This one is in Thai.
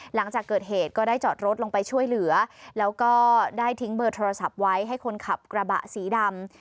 หลังจากเกิดเหตุก็ได้จอดรถลงไปช่วยเหลือแล้วก็ได้ทิ้งเบอร์โทรศัพท์ไว้ให้คนขับกระบะสีดำ